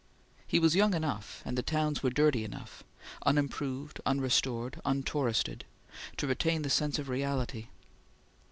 He was young enough, and the towns were dirty enough unimproved, unrestored, untouristed to retain the sense of reality.